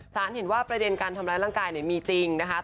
เห็นว่าประเด็นการทำร้ายร่างกายมีจริงนะคะ